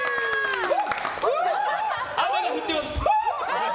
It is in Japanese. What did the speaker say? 雨が降ってます、フー！